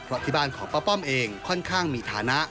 เพราะที่บ้านของป้าป้อมเองค่อนข้างมีฐานะ